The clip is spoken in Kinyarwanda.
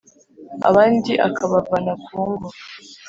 abandi akabavana ku ngo,